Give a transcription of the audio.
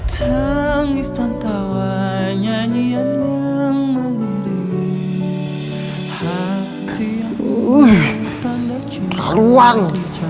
tangisan tawa nyanyian yang mengirim hati yang luar ruang